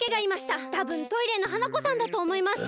たぶんトイレの花子さんだとおもいます。